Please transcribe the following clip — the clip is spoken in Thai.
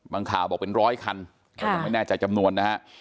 ข่าวบอกเป็นร้อยคันก็ยังไม่แน่ใจจำนวนนะฮะ